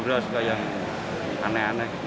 orang orang suka yang aneh aneh